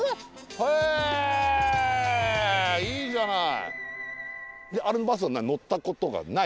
へえいいじゃない。